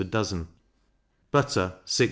per dozen; butter 6s.